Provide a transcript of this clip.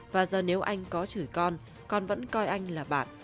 và giờ nếu anh có chửi con con vẫn coi anh là bạn